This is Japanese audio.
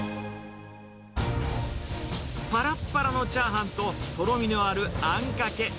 ぱらっぱらのチャーハンと、とろみのあるあんかけ。